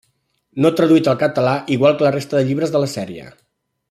No traduït al català, igual que la resta de llibres de la sèrie.